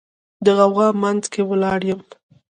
د غوغا منځ کې ولاړ یم